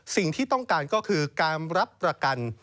สิ่งที่ต้องการก็คือการรับประกัน